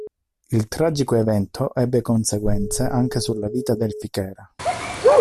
Il tragico evento ebbe conseguenze anche sulla vita del Fichera.